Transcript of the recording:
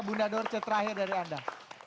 bunda dorce terakhir dari anda